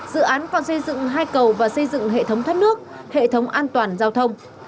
dự án còn xây dựng hai cầu và xây dựng hệ thống thoát nước hệ thống an toàn giao thông